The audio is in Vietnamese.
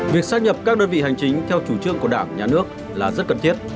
việc xác nhập các đơn vị hành chính theo chủ trương của đảng nhà nước là rất cần thiết